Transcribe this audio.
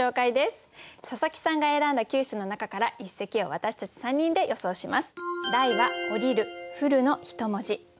佐佐木さんが選んだ９首の中から一席を私たち３人で予想します。